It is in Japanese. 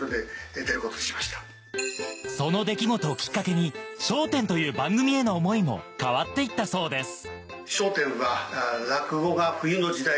その出来事をきっかけに『笑点』という番組への思いも変わって行ったそうです